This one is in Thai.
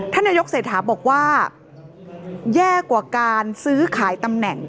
นายกเศรษฐาบอกว่าแย่กว่าการซื้อขายตำแหน่ง